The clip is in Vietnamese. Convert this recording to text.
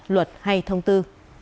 luật hay thông tư